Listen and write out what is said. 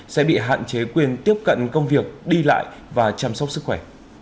sẽ bị hạn chế quyền tiếp cận công việc đi lại và chăm sóc sức khỏe